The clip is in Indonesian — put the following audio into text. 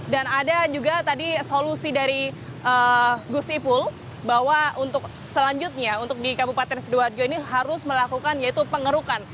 dan ada juga tadi solusi dari gustiipul bahwa untuk selanjutnya untuk di kabupaten sidoarjo ini harus melakukan yaitu pengerukan